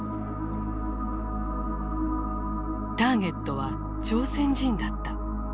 ターゲットは朝鮮人だった。